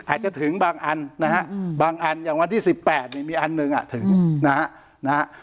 อาจจะถึงบางอันนะฮะบางอันอย่างวันที่๑๘เนี่ยมีอันหนึ่งอ่ะถึงนะฮะ